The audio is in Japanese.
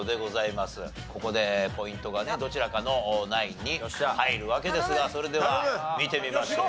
ここでポイントがねどちらかのナインに入るわけですがそれでは見てみましょう。